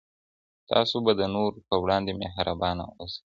تاسو به د نورو پر وړاندي مهربانه اوسئ.